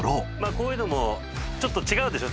こういうのもちょっと違うでしょ？